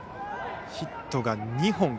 ヒットが２本。